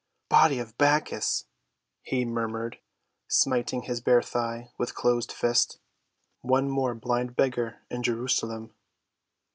"Body of Bacchus!" he murmured, smiting his bare thigh with closed fist. "One more blind beggar in Jerusalem."